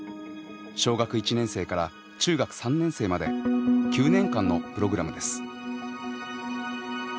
小学１年生から中学３年生まで９年間のプログラムです。